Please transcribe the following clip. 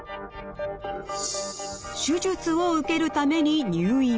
手術を受けるために入院。